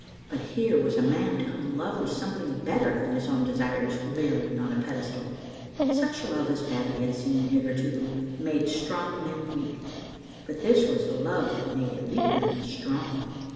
But here was a man to whom love was something better than his own desires leering on a pedestal. Such love as Babbie had seen hitherto made strong men weak, but this was a love that made a weak man strong.